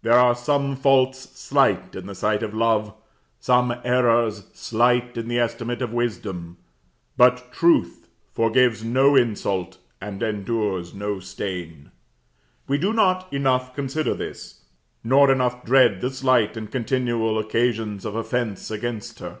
There are some faults slight in the sight of love, some errors slight in the estimate of wisdom; but truth forgives no insult, and endures no stain. We do not enough consider this; nor enough dread the slight and continual occasions of offence against her.